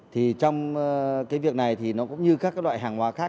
thì trong cái việc này thì nó cũng như các loại hàng hóa khác